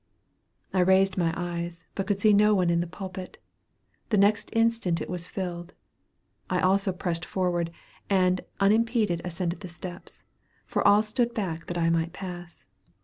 I raised my eyes, but could see no one in the pulpit. The next instant it was filled. I also pressed forward, and unimpeded ascended the steps, for all stood back that I might pass.